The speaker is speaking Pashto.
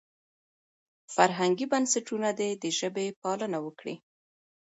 فرهنګي بنسټونه دې د ژبې پالنه وکړي.